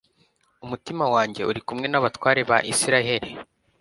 umutima wanjye uri kumwe n'abatware ba israheli